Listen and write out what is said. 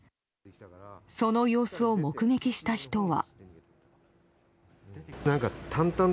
その様子を目撃した人は。